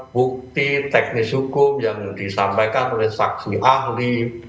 bukti teknis hukum yang disampaikan oleh saksi ahli